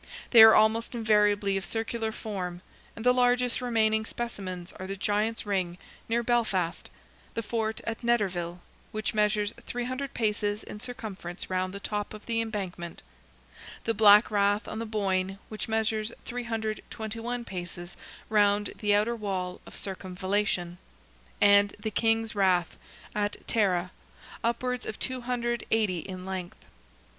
They are almost invariably of circular form, and the largest remaining specimens are the Giant's Ring, near Belfast; the fort at Netterville, which measures 300 paces in circumference round the top of the embankment; the Black Rath, on the Boyne, which measures 321 paces round the outer wall of circumvallation; and the King's Rath, at Tara, upwards of 280 in length.